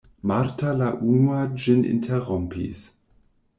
Marta la unua ĝin interrompis.